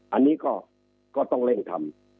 อันนี้ก็ต้องเร่งทำ